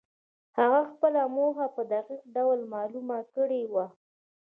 هغه خپله موخه په دقيق ډول معلومه کړې وه.